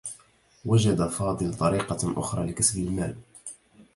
وجد فاضل طريقة أخرى لكسب المال.